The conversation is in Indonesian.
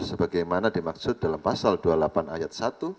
sebagaimana dimaksud dalam pasal dua puluh delapan ayat satu